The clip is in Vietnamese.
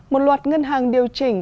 một loạt ngân hàng điều chỉnh